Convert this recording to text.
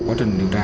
quá trình điều tra